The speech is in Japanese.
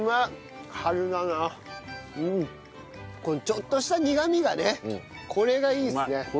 このちょっとした苦みがねこれがいいですね。